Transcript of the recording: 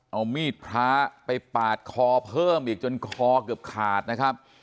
เอามีดพระไปปาดคอเพิ่มอีกจนคอเกือบขาดนะครับ